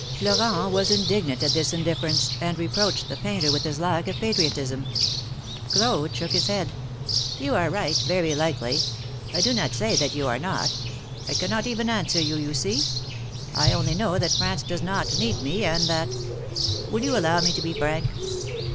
Florent was indignant at this indifference, and re proached the painter with his lack of patriotism. Claude shook his head. " You are right very likely. I do not say that you are not. I cannot even answer you, you see ! I only know that France does not need me, and that — Will you allow me to be frank